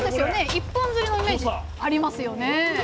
一本釣りのイメージありますよね